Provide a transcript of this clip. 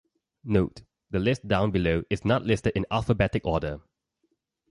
Note:The list down below is not listed in alphabetic order.